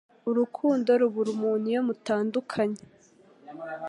Urukundo rubura umuntu iyo mutandukanye